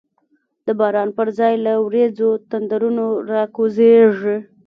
د باران پر ځای له وریځو، تندرونه راکوزیږی